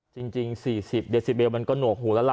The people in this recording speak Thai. จริง๔๐เดซิเบลมันก็หนวกหูแล้วล่ะ